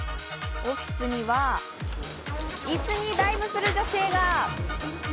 オフィスにはイスにダイブする女性が。